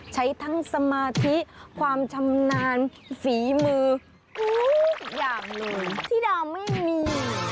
ใช้ทั้งสมาธิความชำนาญฝีมือทุกอย่างเลยที่ดาวไม่มี